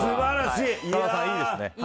深澤さん、いいですね。